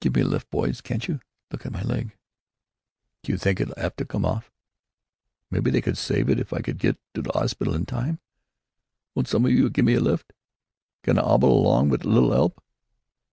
"Give me a lift, boys, can't you? Look at my leg! Do you think it'll 'ave to come off? Maybe they could save it if I could get to 'ospital in time! Won't some of you give me a lift? I can 'obble along with a little 'elp."